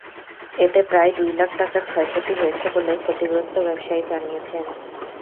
এতে প্রায় দুই লাখ টাকার ক্ষয়ক্ষতি হয়েছে বলে ক্ষতিগ্রস্ত ব্যবসায়ী জানিয়েছেন।